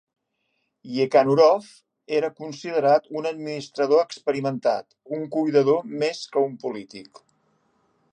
Yekhanurov era considerat un administrador experimentat, un cuidador més que un polític.